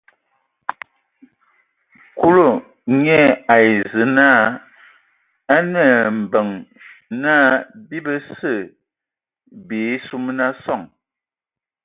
Kulu nye ai Zǝə naa: A nǝ hm mbeŋ naa bii bəse bii suman a soŋ.